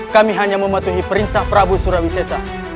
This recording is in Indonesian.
kami hanya mematuhi perintah prabu surawi sesa